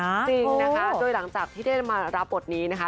เป๊ะเลยอ่ะปั้นเหมือนนะจริงนะคะด้วยหลังจากที่ได้มารับบทนี้นะคะ